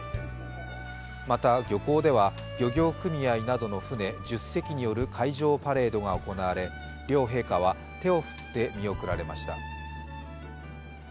また、漁港では漁業組合などの船１０隻による海上パレードが行われ、両陛下は手を振って見送られました。